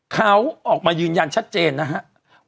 เขาออกมายืนยันชัดเจนนะครับ